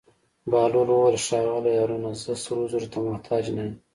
بهلول وویل: ښاغلی هارونه زه سرو زرو ته محتاج نه یم.